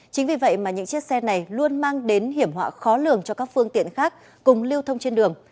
chính vì vậy mà những chiếc xe này luôn mang đến hiểm họa khó lường cho các phương tiện khác cùng lưu thông trên đường